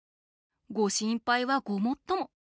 ご心配はごもっとも。